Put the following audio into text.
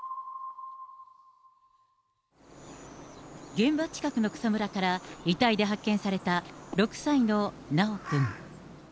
現場近くの草むらから遺体で発見された６歳の修くん。